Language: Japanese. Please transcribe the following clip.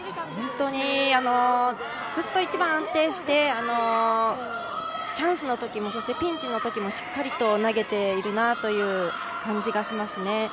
本当にずっと一番安定してチャンスのときもそしてピンチのときもしっかりと投げているなという感じがします。